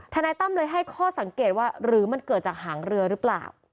นายตั้มเลยให้ข้อสังเกตว่าหรือมันเกิดจากหางเรือหรือเปล่า